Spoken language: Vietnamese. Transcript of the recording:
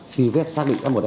khi vết xác định